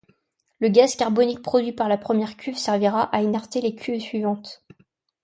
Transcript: Le gaz carbonique produit par la première cuve servira à inerter les cuves suivantes.